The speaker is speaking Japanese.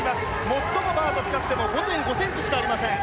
最もバーの近くでも５．５ｃｍしかありません